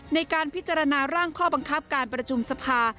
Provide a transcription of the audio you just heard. ในการพิจารณาร่างข้อบังคับการประชุมสภา